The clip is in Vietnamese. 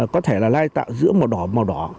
có thể là lai tạo giữa màu đỏ và màu đỏ